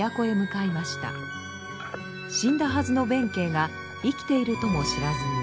死んだはずの弁慶が生きているとも知らずに。